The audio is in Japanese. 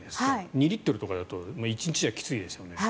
２リットルとかだと１日じゃきついですよね。